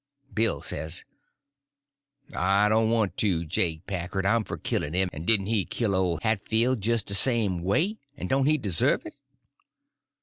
Bill says: "I don't want to, Jake Packard. I'm for killin' him—and didn't he kill old Hatfield jist the same way—and don't he deserve it?"